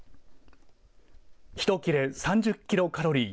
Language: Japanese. ひと切れ３０キロカロリー。